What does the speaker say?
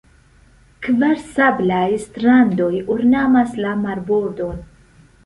Kvar sablaj strandoj ornamas la marbordon.